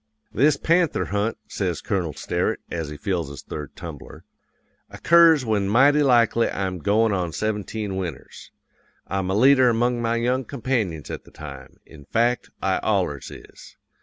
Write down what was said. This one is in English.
"'This panther hunt,' says Colonel Sterett, as he fills his third tumbler, 'occurs when mighty likely I'm goin' on seventeen winters. I'm a leader among my young companions at the time; in fact, I allers is.